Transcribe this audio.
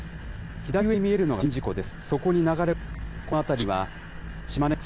左上に見えるのが宍道湖です。